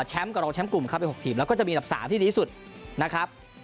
กับรองแชมป์กลุ่มเข้าไป๖ทีมแล้วก็จะมีอันดับ๓ที่ดีที่สุดนะครับ